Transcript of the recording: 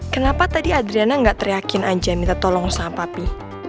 kenapa tadi adriana nggak teriakin aja minta tolong sama papi